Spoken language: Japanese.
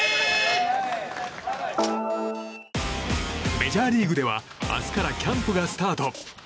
メジャーリーグでは明日からキャンプがスタート。